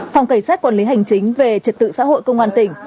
phòng cảnh sát quản lý hành chính về trật tự xã hội công an tỉnh